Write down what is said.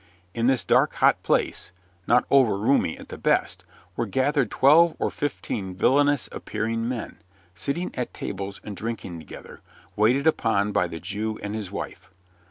In this dark, hot place not over roomy at the best were gathered twelve or fifteen villainous appearing men, sitting at tables and drinking together, waited upon by the Jew and his wife.